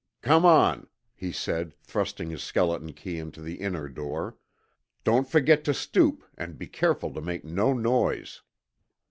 "Come on," he said, thrusting his skeleton key into the inner door. "Don't forget to stoop and be careful to make no noise."